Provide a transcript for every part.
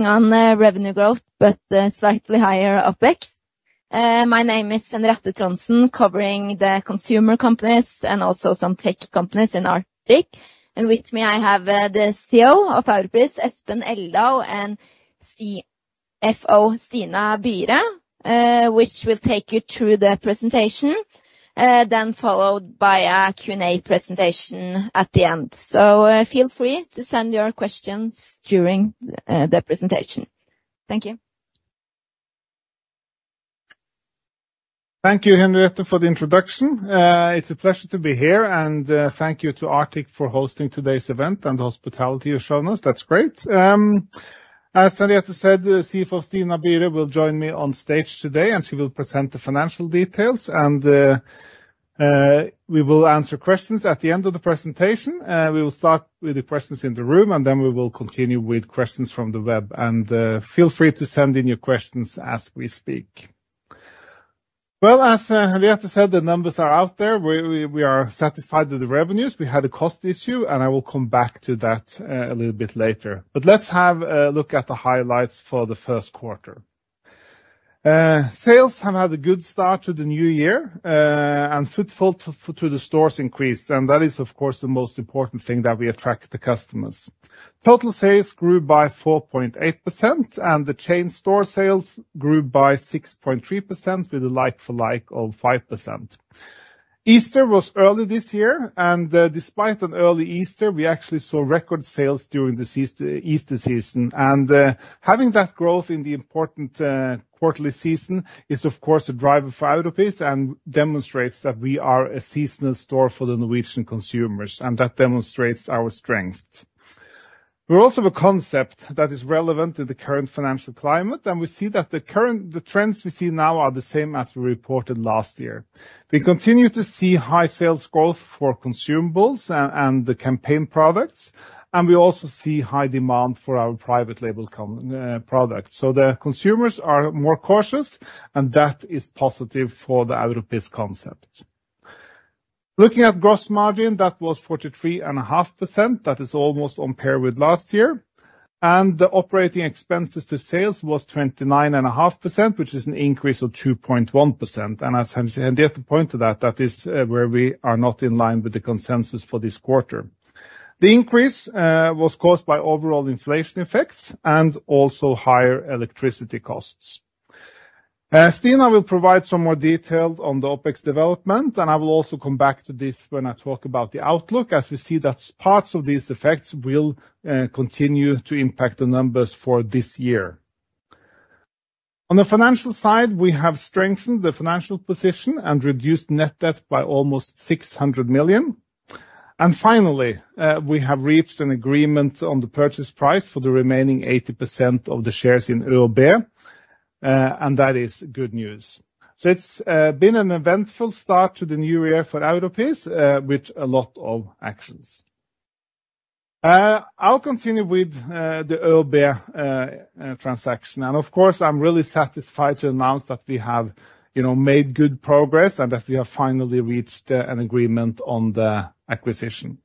On revenue growth, but slightly higher OpEx. My name is Henriette Trondsen, covering the consumer companies and also some tech companies in Arctic. With me I have the CEO of Europris, Espen Eldal, and CFO Stina Byre, which will take you through the presentation, then followed by a Q&A presentation at the end. So feel free to send your questions during the presentation. Thank you. Thank you, Henriette, for the introduction. It's a pleasure to be here, and thank you to Arctic for hosting today's event and the hospitality you've shown us. That's great. As Henriette said, the CFO, Stina Byre, will join me on stage today, and she will present the financial details, and we will answer questions at the end of the presentation. We will start with the questions in the room, and then we will continue with questions from the web, and feel free to send in your questions as we speak. Well, as Henriette said, the numbers are out there. We are satisfied with the revenues. We had a cost issue, and I will come back to that a little bit later. But let's have a look at the highlights for the first quarter. Sales have had a good start to the new year, and footfall to the stores increased, and that is, of course, the most important thing that we attract the customers. Total sales grew by 4.8%, and the chain store sales grew by 6.3% with a like-for-like of 5%. Easter was early this year, and despite an early Easter, we actually saw record sales during the Easter season. Having that growth in the important quarterly season is, of course, a driver for Europris and demonstrates that we are a seasonal store for the Norwegian consumers, and that demonstrates our strength. We're also a concept that is relevant in the current financial climate, and we see that the trends we see now are the same as we reported last year. We continue to see high sales growth for consumables and the campaign products, and we also see high demand for our private label products. So the consumers are more cautious, and that is positive for the Europris concept. Looking at gross margin, that was 43.5%. That is almost on par with last year. And the operating expenses to sales was 29.5%, which is an increase of 2.1%. And as Henriette pointed out, that is where we are not in line with the consensus for this quarter. The increase was caused by overall inflation effects and also higher electricity costs. Stina will provide some more detail on the OpEx development, and I will also come back to this when I talk about the outlook, as we see that parts of these effects will continue to impact the numbers for this year. On the financial side, we have strengthened the financial position and reduced net debt by almost 600 million. Finally, we have reached an agreement on the purchase price for the remaining 80% of the shares in ÖoB, and that is good news. It's been an eventful start to the new year for Europris, with a lot of actions. I'll continue with the ÖoB transaction, and of course, I'm really satisfied to announce that we have made good progress and that we have finally reached an agreement on the acquisition.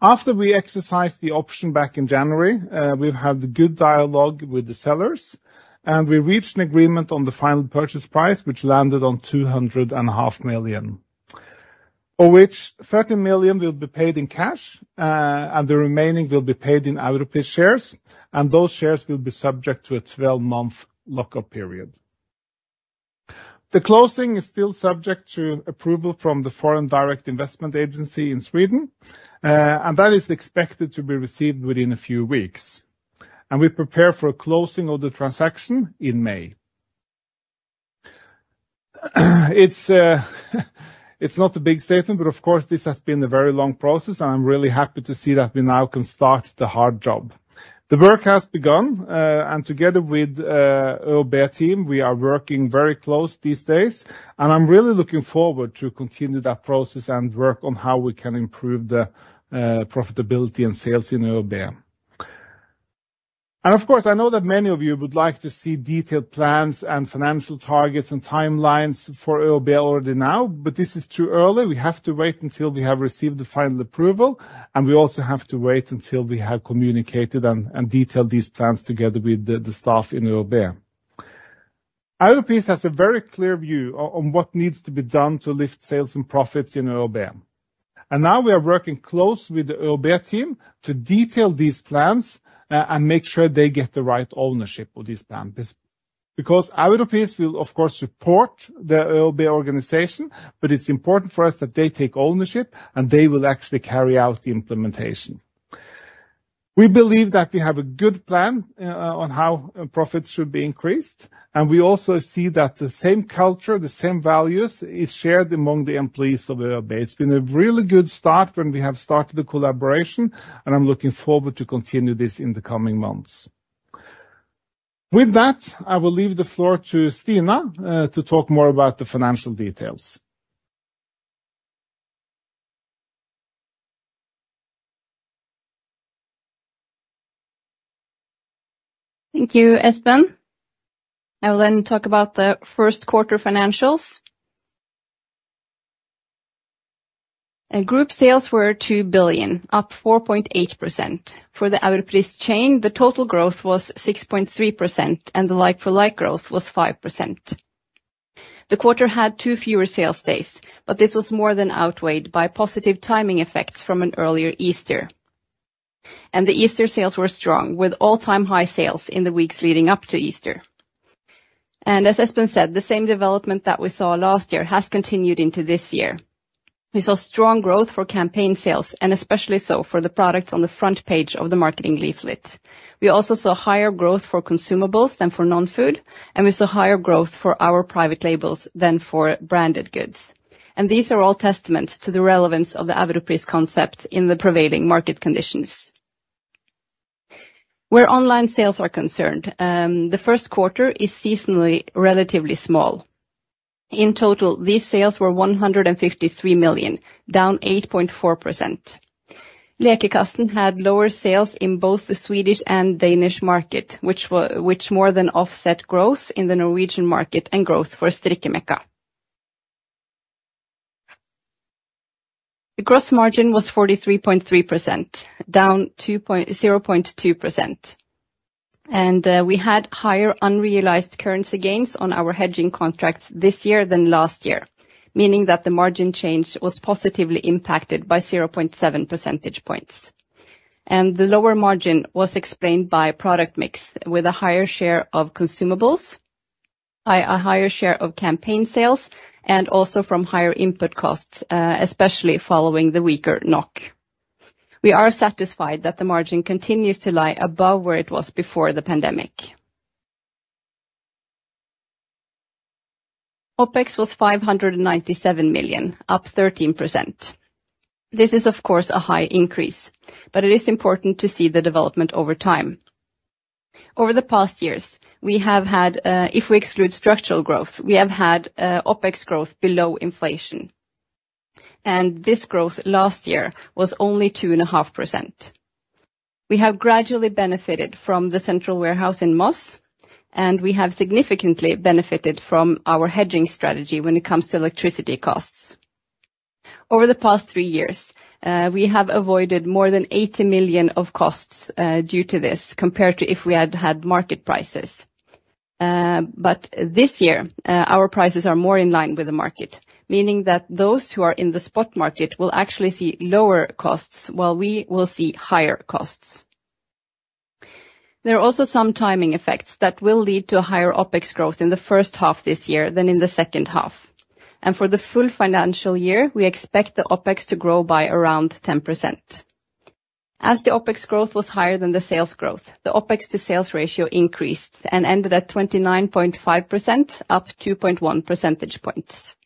After we exercised the option back in January, we've had good dialogue with the sellers, and we reached an agreement on the final purchase price, which landed on 200.5 million, of which 30 million will be paid in cash, and the remaining will be paid in Europris shares, and those shares will be subject to a 12-month lockup period. The closing is still subject to approval from the Foreign Direct Investment Agency in Sweden, and that is expected to be received within a few weeks. We prepare for a closing of the transaction in May. It's not a big statement, but of course, this has been a very long process, and I'm really happy to see that we now can start the hard job. The work has begun, and together with the ÖoB team, we are working very close these days, and I'm really looking forward to continuing that process and work on how we can improve the profitability and sales in ÖoB. Of course, I know that many of you would like to see detailed plans and financial targets and timelines for ÖoB already now, but this is too early. We have to wait until we have received the final approval, and we also have to wait until we have communicated and detailed these plans together with the staff in ÖoB. Europris has a very clear view on what needs to be done to lift sales and profits in ÖoB. Now we are working closely with the ÖoB team to detail these plans and make sure they get the right ownership of these plans, because Europris will, of course, support the ÖoB organization, but it's important for us that they take ownership and they will actually carry out the implementation. We believe that we have a good plan on how profits should be increased, and we also see that the same culture, the same values are shared among the employees of ÖoB. It's been a really good start when we have started the collaboration, and I'm looking forward to continuing this in the coming months. With that, I will leave the floor to Stina to talk more about the financial details. Thank you, Espen. I will then talk about the first quarter financials. Group sales were 2 billion, up 4.8%. For the Europris chain, the total growth was 6.3%, and the like-for-like growth was 5%. The quarter had two fewer sales days, but this was more than outweighed by positive timing effects from an earlier Easter. The Easter sales were strong, with all-time high sales in the weeks leading up to Easter. As Espen said, the same development that we saw last year has continued into this year. We saw strong growth for campaign sales, and especially so for the products on the front page of the marketing leaflet. We also saw higher growth for consumables than for non-food, and we saw higher growth for our private labels than for branded goods. These are all testaments to the relevance of the Europris concept in the prevailing market conditions. Where online sales are concerned, the first quarter is seasonally relatively small. In total, these sales were 153 million, down 8.4%. Lekekassen had lower sales in both the Swedish and Danish market, which more than offset growth in the Norwegian market and growth for Strikkemekka. The gross margin was 43.3%, down 0.2%. We had higher unrealized currency gains on our hedging contracts this year than last year, meaning that the margin change was positively impacted by 0.7 percentage points. The lower margin was explained by product mix with a higher share of consumables, a higher share of campaign sales, and also from higher input costs, especially following the weaker Norwegian Krone. We are satisfied that the margin continues to lie above where it was before the pandemic. OpEx was 597 million, up 13%. This is, of course, a high increase, but it is important to see the development over time. Over the past years, if we exclude structural growth, we have had OpEx growth below inflation. This growth last year was only 2.5%. We have gradually benefited from the central warehouse in Moss, and we have significantly benefited from our hedging strategy when it comes to electricity costs. Over the past three years, we have avoided more than 80 million of costs due to this compared to if we had had market prices. This year, our prices are more in line with the market, meaning that those who are in the spot market will actually see lower costs while we will see higher costs. There are also some timing effects that will lead to higher OpEx growth in the first half this year than in the second half. For the full financial year, we expect the OpEx to grow by around 10%. As the OpEx growth was higher than the sales growth, the OpEx-to-sales ratio increased and ended at 29.5%, up 2.1 percentage points.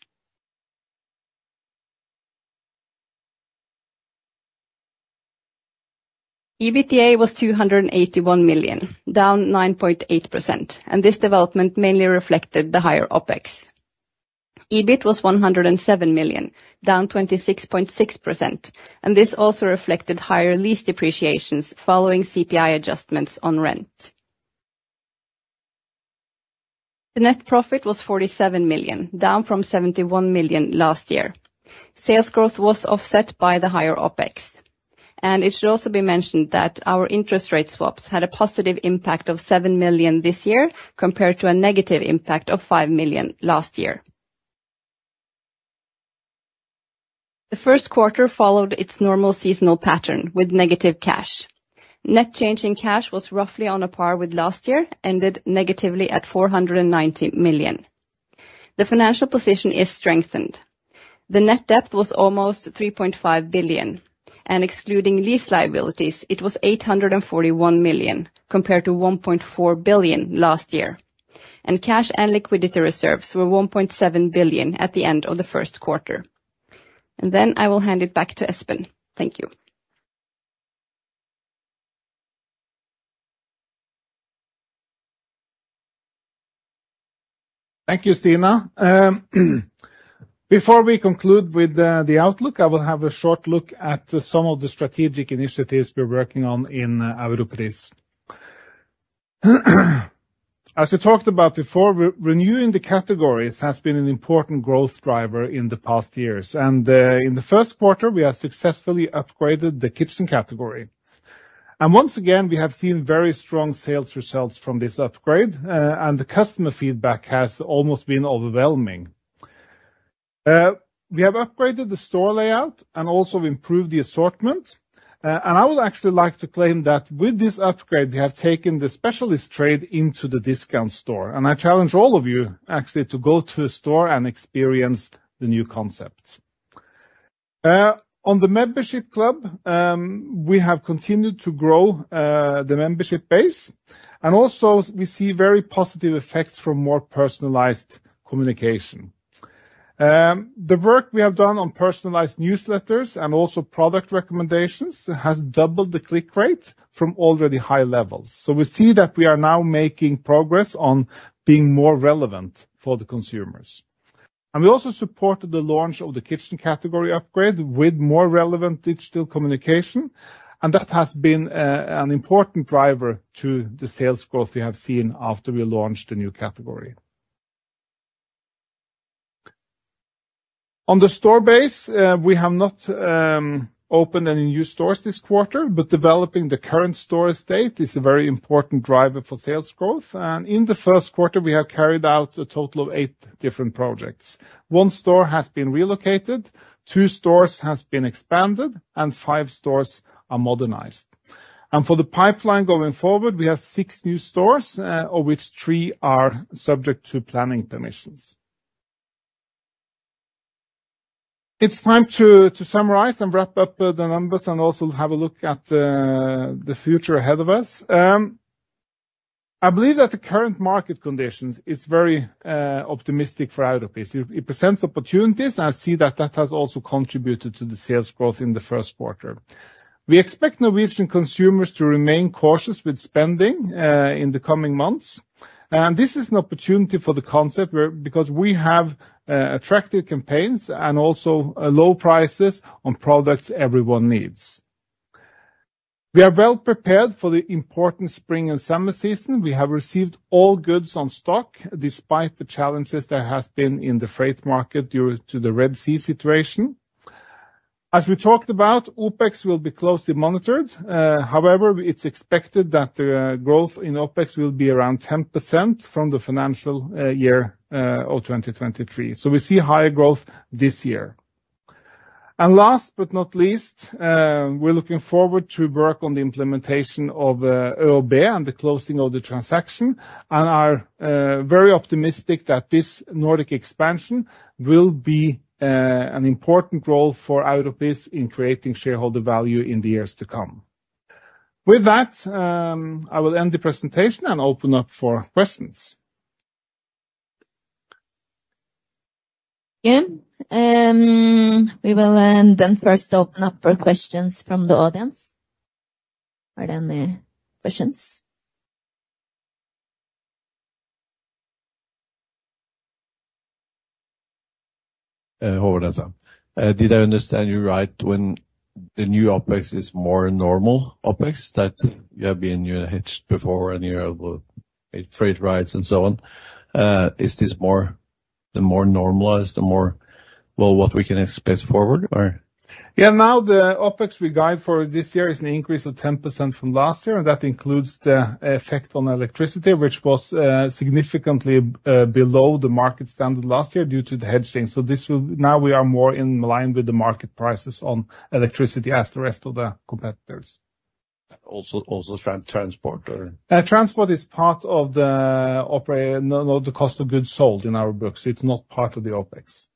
EBITDA was 281 million, down 9.8%, and this development mainly reflected the higher OpEx. EBIT was 107 million, down 26.6%, and this also reflected higher lease depreciations following CPI adjustments on rent. The net profit was 47 million, down from 71 million last year. Sales growth was offset by the higher OpEx. It should also be mentioned that our interest rate swaps had a positive impact of 7 million this year compared to a negative impact of 5 million last year. The first quarter followed its normal seasonal pattern with negative cash. Net change in cash was roughly on a par with last year, ended negatively at 490 million. The financial position is strengthened. The net debt was almost 3.5 billion, and excluding lease liabilities, it was 841 million compared to 1.4 billion last year. And cash and liquidity reserves were 1.7 billion at the end of the first quarter. And then I will hand it back to Espen. Thank you. Thank you, Stina. Before we conclude with the outlook, I will have a short look at some of the strategic initiatives we're working on in Europris. As we talked about before, renewing the categories has been an important growth driver in the past years. In the first quarter, we have successfully upgraded the kitchen category. Once again, we have seen very strong sales results from this upgrade, and the customer feedback has almost been overwhelming. We have upgraded the store layout, and also improved the assortment. I would actually like to claim that with this upgrade, we have taken the specialist trade into the discount store. I challenge all of you, actually, to go to a store and experience the new concepts. On the membership club, we have continued to grow the membership base, and also we see very positive effects from more personalized communication. The work we have done on personalized newsletters and also product recommendations has doubled the click rate from already high levels. So we see that we are now making progress on being more relevant for the consumers. And we also supported the launch of the kitchen category upgrade with more relevant digital communication, and that has been an important driver to the sales growth we have seen after we launched the new category. On the store base, we have not opened any new stores this quarter, but developing the current store estate is a very important driver for sales growth. And in the first quarter, we have carried out a total of 8 different projects. 1 store has been relocated, 2 stores have been expanded, and 5 stores are modernized. And for the pipeline going forward, we have 6 new stores, of which 3 are subject to planning permissions. It's time to summarize and wrap up the numbers and also have a look at the future ahead of us. I believe that the current market conditions are very optimistic for Europris. It presents opportunities, and I see that that has also contributed to the sales growth in the first quarter. We expect Norwegian consumers to remain cautious with spending in the coming months. This is an opportunity for the concept because we have attractive campaigns and also low prices on products everyone needs. We are well prepared for the important spring and summer season. We have received all goods on stock despite the challenges there have been in the freight market due to the Red Sea situation. As we talked about, OpEx will be closely monitored. However, it's expected that the growth in OpEx will be around 10% from the financial year of 2023. We see higher growth this year. Last but not least, we're looking forward to work on the implementation of ÖoB and the closing of the transaction, and are very optimistic that this Nordic expansion will be an important role for Europris in creating shareholder value in the years to come. With that, I will end the presentation and open up for questions. Again, we will then first open up for questions from the audience. Are there any questions? Håvard here, sir. Did I understand you right when the new OpEx is more normal OpEx, that you have been hedged before and you have freight rights and so on? Is this the more normalized, the more well, what we can expect forward, or? Yeah, now the OpEx we guide for this year is an increase of 10% from last year, and that includes the effect on electricity, which was significantly below the market standard last year due to the hedging. So now we are more in line with the market prices on electricity as the rest of the competitors. Also transport, or? Transport is part of the cost of goods sold in our books. It's not part of the OpEx.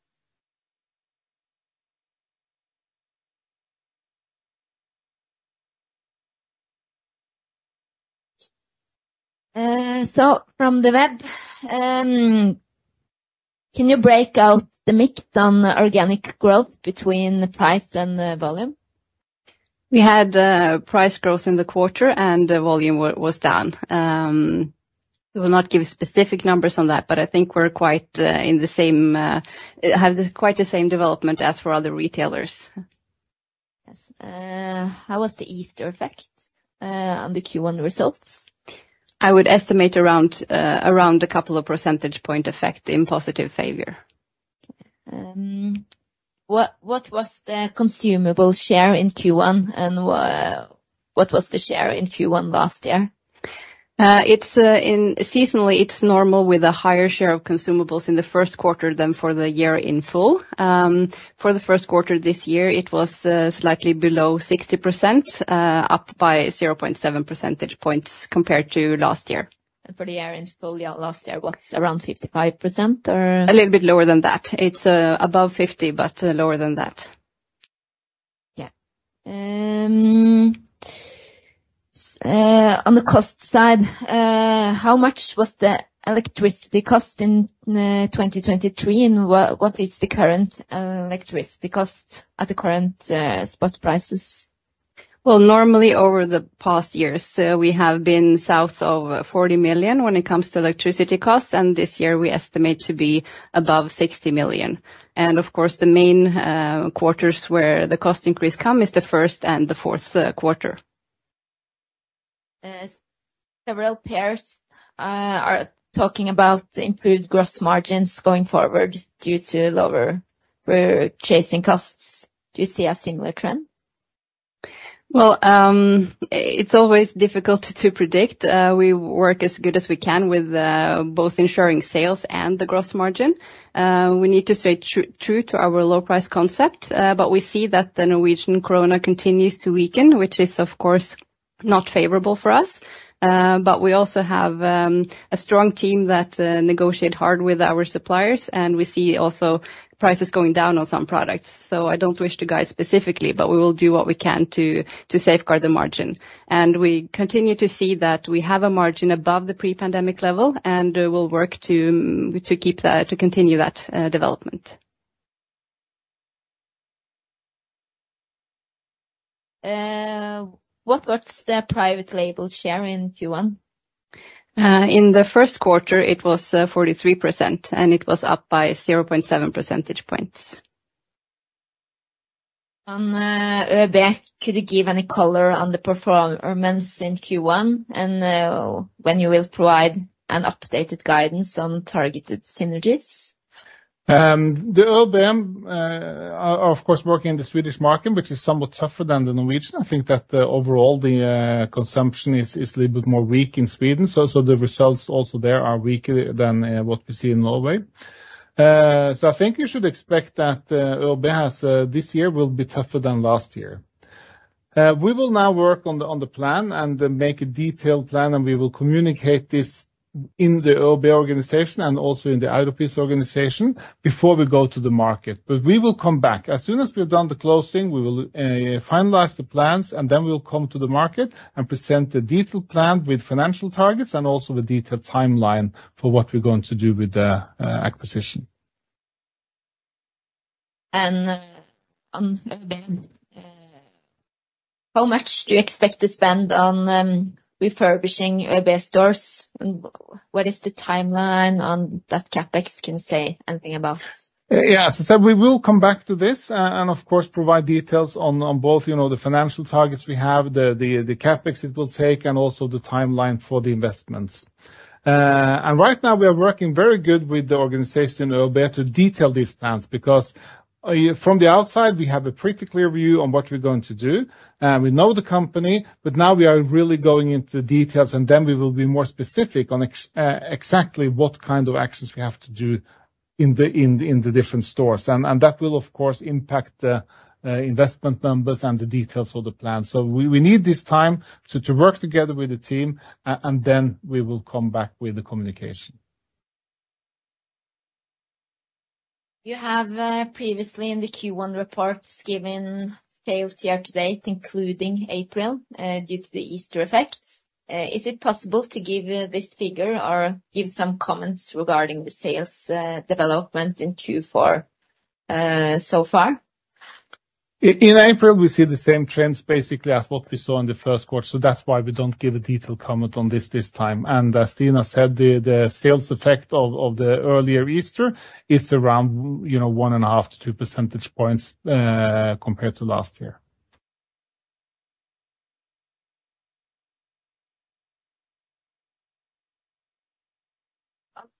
From the web, can you break out the mix on organic growth between price and volume? We had price growth in the quarter, and volume was down. I will not give specific numbers on that, but I think we have quite the same development as for other retailers. Yes. How was the Easter effect on the Q1 results? I would estimate around a couple of percentage point effect in positive favor. What was the consumable share in Q1, and what was the share in Q1 last year? Seasonally, it's normal with a higher share of consumables in the first quarter than for the year in full. For the first quarter this year, it was slightly below 60%, up by 0.7 percentage points compared to last year. For the year in full last year, what's around 55%, or? A little bit lower than that. It's above 50, but lower than that. Yeah. On the cost side, how much was the electricity cost in 2023, and what is the current electricity cost at the current spot prices? Well, normally over the past years, we have been south of 40 million when it comes to electricity costs, and this year we estimate to be above 60 million. And of course, the main quarters where the cost increase come is the first and the fourth quarter. Several peers are talking about improved gross margins going forward due to lower purchasing costs. Do you see a similar trend? Well, it's always difficult to predict. We work as good as we can with both ensuring sales and the gross margin. We need to stay true to our low-price concept, but we see that the Norwegian Krone continues to weaken, which is, of course, not favorable for us. But we also have a strong team that negotiate hard with our suppliers, and we see also prices going down on some products. So I don't wish to guide specifically, but we will do what we can to safeguard the margin. And we continue to see that we have a margin above the pre-pandemic level, and we'll work to continue that development. What was the private label share in Q1? In the first quarter, it was 43%, and it was up by 0.7 percentage points. On ÖoB, could you give any color on the performance in Q1 and when you will provide an updated guidance on targeted synergies? The ÖoB, of course, working in the Swedish market, which is somewhat tougher than the Norwegian. I think that overall, the consumption is a little bit more weak in Sweden, so the results also there are weaker than what we see in Norway. So I think you should expect that ÖoB this year will be tougher than last year. We will now work on the plan and make a detailed plan, and we will communicate this in the ÖoB organization and also in the Europris organization before we go to the market. But we will come back. As soon as we've done the closing, we will finalize the plans, and then we will come to the market and present a detailed plan with financial targets and also a detailed timeline for what we're going to do with the acquisition. On ÖoB, how much do you expect to spend on refurbishing ÖoB stores? What is the timeline on that CapEx? Can you say anything about? Yeah, as I said, we will come back to this and, of course, provide details on both the financial targets we have, the CapEx it will take, and also the timeline for the investments. And right now, we are working very good with the organization in ÖoB to detail these plans because from the outside, we have a pretty clear view on what we're going to do. We know the company, but now we are really going into the details, and then we will be more specific on exactly what kind of actions we have to do in the different stores. And that will, of course, impact the investment numbers and the details of the plans. So we need this time to work together with the team, and then we will come back with the communication. You have previously in the Q1 reports given sales year-to-date, including April, due to the Easter effects. Is it possible to give this figure or give some comments regarding the sales development in Q4 so far? In April, we see the same trends, basically, as what we saw in the first quarter. So that's why we don't give a detailed comment on this time. As Stina said, the sales effect of the earlier Easter is around 1.5 percentage points-2 percentage points compared to last year.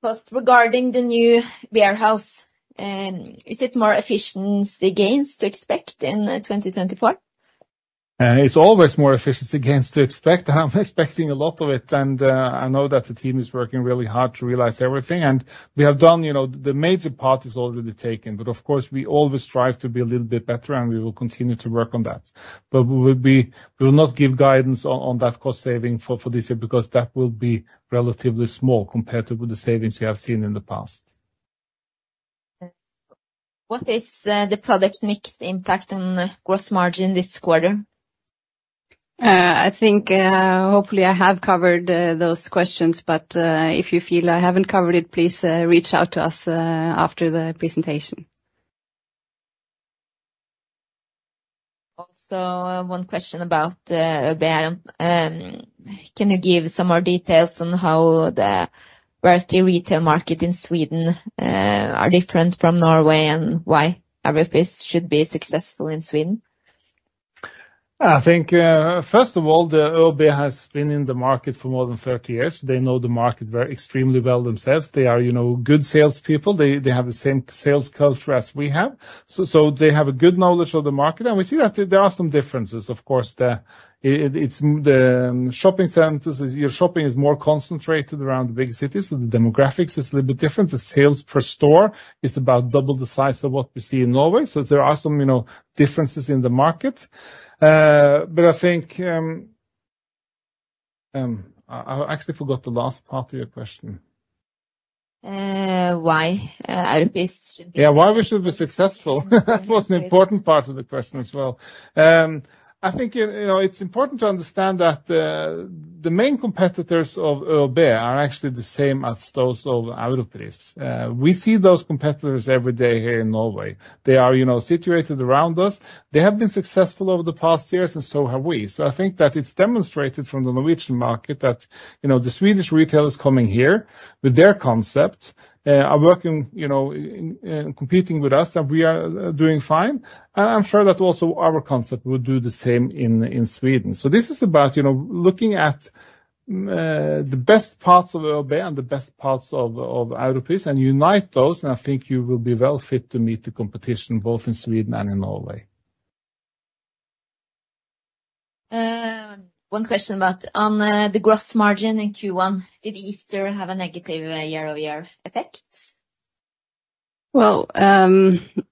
First, regarding the new warehouse, is it more efficiency gains to expect in 2024? It's always more efficiency gains to expect, and I'm expecting a lot of it. I know that the team is working really hard to realize everything. We have done the major part. It is already taken, but of course, we always strive to be a little bit better, and we will continue to work on that. But we will not give guidance on that cost saving for this year because that will be relatively small compared to the savings we have seen in the past. What is the product mix impact on gross margin this quarter? I think hopefully I have covered those questions, but if you feel I haven't covered it, please reach out to us after the presentation. Also, one question about ÖoB here. Can you give some more details on how the retail market in Sweden is different from Norway and why Europris should be successful in Sweden? I think, first of all, the ÖoB has been in the market for more than 30 years. They know the market very extremely well themselves. They are good salespeople. They have the same sales culture as we have. So they have a good knowledge of the market, and we see that there are some differences. Of course, the shopping centers, your shopping is more concentrated around big cities, so the demographics is a little bit different. The sales per store is about double the size of what we see in Norway. So there are some differences in the market. But I think I actually forgot the last part of your question. Why Europris should be successful? Yeah, why we should be successful. That was an important part of the question as well. I think it's important to understand that the main competitors of ÖoB are actually the same as those of Europris. We see those competitors every day here in Norway. They are situated around us. They have been successful over the past years, and so have we. So I think that it's demonstrated from the Norwegian market that the Swedish retailers coming here with their concept are competing with us, and we are doing fine. And I'm sure that also our concept would do the same in Sweden. So this is about looking at the best parts of ÖoB and the best parts of Europris and unite those, and I think you will be well fit to meet the competition both in Sweden and in Norway. One question about the gross margin in Q1. Did Easter have a negative year-over-year effect? Well,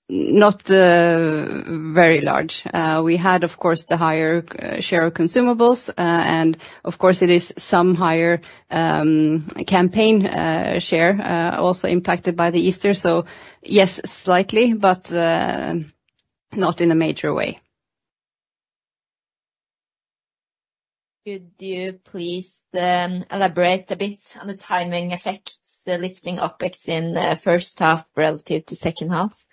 not very large. We had, of course, the higher share of consumables, and of course, it is some higher campaign share also impacted by the Easter. So yes, slightly, but not in a major way. Could you please elaborate a bit on the timing effects, the lifting OpEx in first half relative to second half?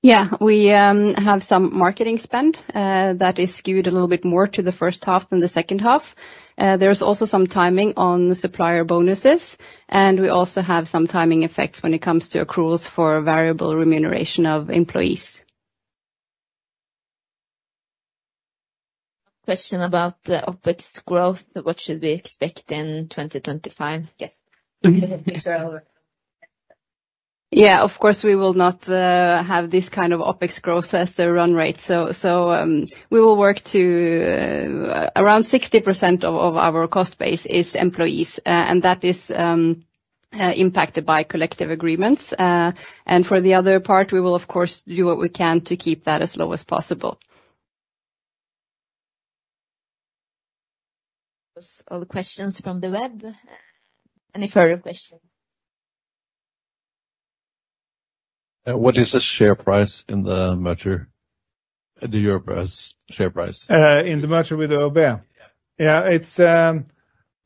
Yeah, we have some marketing spend that is skewed a little bit more to the first half than the second half. There is also some timing on supplier bonuses, and we also have some timing effects when it comes to accruals for variable remuneration of employees. Question about OpEx growth. What should we expect in 2025? Yes. Yeah, of course, we will not have this kind of OpEx growth as the run rate. So we will work to around 60% of our cost base is employees, and that is impacted by collective agreements. For the other part, we will, of course, do what we can to keep that as low as possible. All the questions from the web. Any further questions? What is the share price in the merger? The Europris share price. In the merger with the ÖoB? Yeah.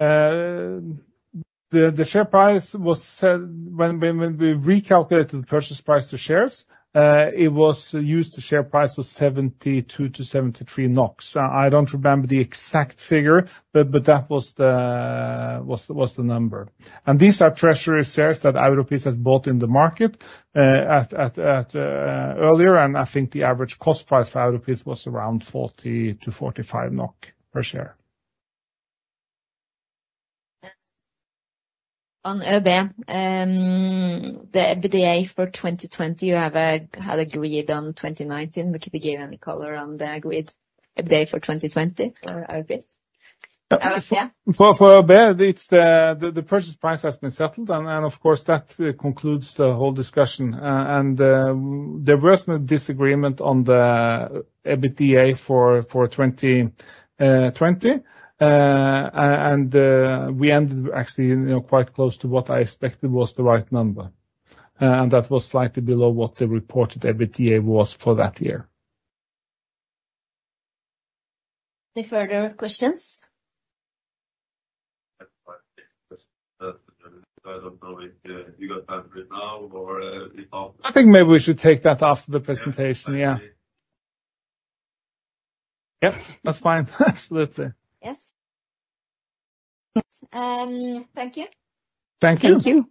Yeah, the share price was when we recalculated the purchase price to shares, it was used to share price was 72 NOK-73 NOK. I don't remember the exact figure, but that was the number. And these are treasury shares that Europris has bought in the market earlier, and I think the average cost price for Europris was around 40 NOK-45 NOK per share. On ÖoB, the EBITDA for 2020, you had a growth on 2019. Could you give any color on the growth EBITDA for 2020 for Europris? For ÖoB, the purchase price has been settled, and of course, that concludes the whole discussion. And there was no disagreement on the EBITDA for 2020, and we ended actually quite close to what I expected was the right number. And that was slightly below what the reported EBITDA was for that year. Any further questions? I don't know if you got time for it now or if after? I think maybe we should take that after the presentation. Yeah. Yep, that's fine. Absolutely. Yes. Thank you. Thank you. Thank you.